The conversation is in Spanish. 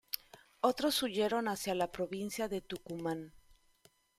Otros huyeron hacia la provincia de Tucumán.